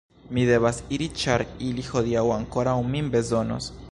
Mi devas iri ĉar ili hodiaŭ ankoraŭ min bezonos.